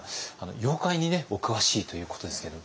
妖怪にお詳しいということですけども。